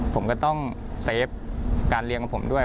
ผมก็ต้องเซฟการเลี้ยงของผมด้วย